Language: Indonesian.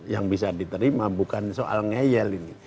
yang bisa diterima bukan soal ngeyel ini